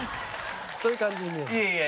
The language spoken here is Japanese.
そういう感じに見える。